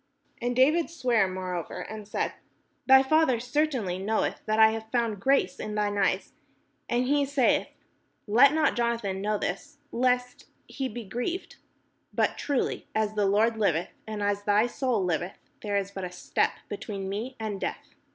And David sware moreover, and said: "Thy father certainly knoweth that I have found grace in thine eyes; and he saith, 'Let not Jonathan know this, lest he 5SS PALESTINE be grieved ': but truly as the Lord liveth, and as thy soul liveth, there is but a step between me and death."